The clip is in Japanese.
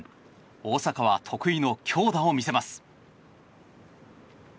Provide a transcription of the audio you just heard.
大坂は得意の強打を見せます。